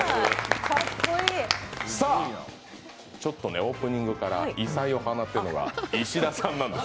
オープニングから異彩を放っているのが石田さんなんです。